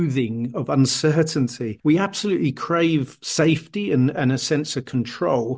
kita benar benar membutuhkan keamanan dan perasaan kontrol